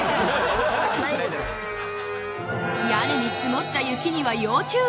屋根に積もった雪には要注意